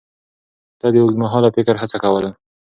ده د اوږدمهاله فکر هڅه کوله.